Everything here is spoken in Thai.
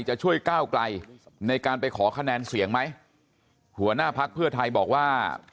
จะช่วยก้าวไกลในการไปขอคะแนนเสียงไหมหัวหน้าพักเพื่อไทยบอกว่า